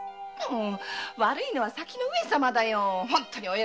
悪いのは先の上様だよ。